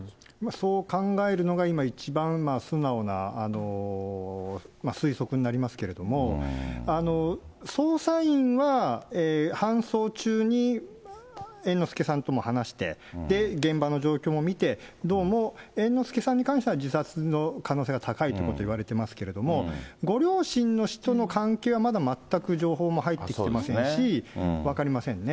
そう考えるのが今一番素直な推測になりますけれども、捜査員は、搬送中に猿之助さんとも話して、現場の状況も見て、どうも猿之助さんに関しては自殺の可能性が高いということ言われてますけれども、ご両親の死との関係はまだまったく情報も入って来てませんし、分かりませんね。